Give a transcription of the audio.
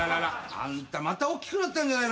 あんたまたおっきくなったんじゃないの？